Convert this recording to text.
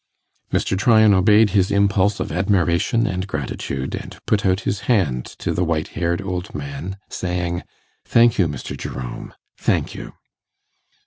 Mr. Tryan obeyed his impulse of admiration and gratitude, and put out his hand to the white haired old man, saying, 'Thank you, Mr. Jerome, thank you.